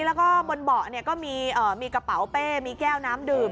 แล้วก็บนเบาะก็มีกระเป๋าเป้มีแก้วน้ำดื่ม